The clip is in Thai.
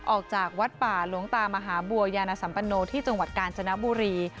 ออกจากวัดป่าหลวงตามหาบัวยานสัมปโนที่จังหวัดกาญจนบุรี